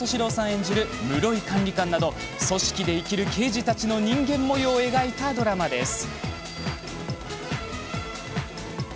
演じる室井管理官など組織で生きる刑事たちの人間もようを描いたドラマです。